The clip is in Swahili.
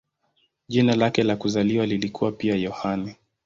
Jina lake la kuzaliwa lilikuwa pia "Yohane".